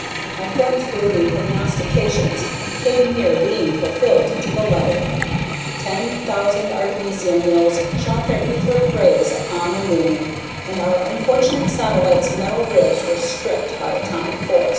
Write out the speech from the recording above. My friend's gloomy prognostications came near being fulfilled to the letter. Ten thousand artemisium mills shot their etheric rays upon the moon, and our unfortunate satellite's metal ribs were stripped by atomic force.